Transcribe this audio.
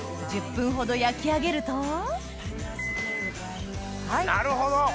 １０分ほど焼き上げるとなるほど！